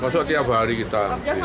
masuk tiap hari kita